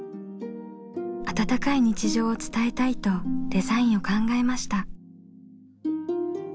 温かい日常を伝えたいとデザインを考えました。